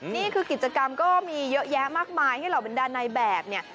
นี่คือกิจกรรมก็มีเยอะแยะมากมายให้เหล่าบรรดานายแบบเนี่ย